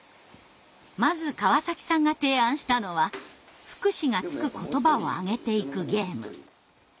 まず川崎さんが提案したのは「ふくし」がつく言葉をあげていくゲーム。